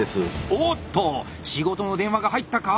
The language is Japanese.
おおっと仕事の電話が入ったか？